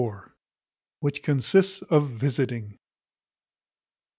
Which consists of visiting.